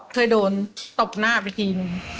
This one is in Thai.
เคยโดนตบหน้าไปทีนึง